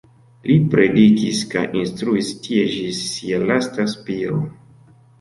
Li predikis kaj instruis tie ĝis sia lasta spiro.